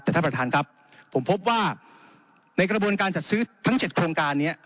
แต่ท่านประธานครับผมพบว่าในกระบวนการจัดซื้อทั้ง๗โครงการนี้